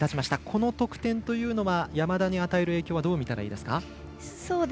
この得点というのは山田に与える影響はどうみたらいいですか？